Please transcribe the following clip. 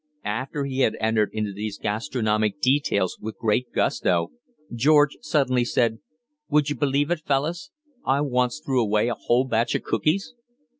After he had entered into these gastronomic details with great gusto, George suddenly said: "Wouldje believe it, fellus? I once threw away a whole batch of cookies."